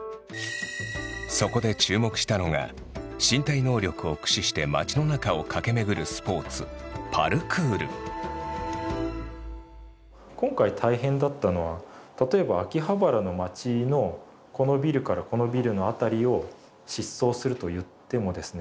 そこで注目したのが身体能力を駆使して街の中を駆け巡るスポーツ今回大変だったのは例えば秋葉原の街のこのビルからこのビルの辺りを疾走するといってもですね